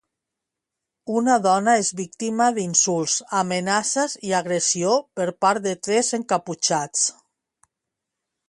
Una dona és víctima d'insults, amenaces i agressió per part de tres encaputxats.